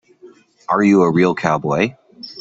Are you a real cowboy?